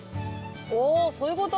おそういうこと？